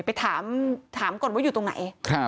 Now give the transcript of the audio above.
ไปก่อเหตุเลยไปถามก่อนว่าอยู่ตรงไหน